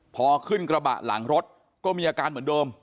พอขึ้นกระบะหลังรถก็มีอาการเหมือนเดิม